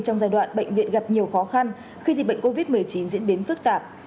trong giai đoạn bệnh viện gặp nhiều khó khăn khi dịch bệnh covid một mươi chín diễn biến phức tạp